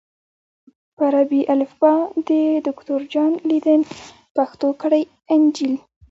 په عربي الفبا د دوکتور جان لیدن پښتو کړی انجیل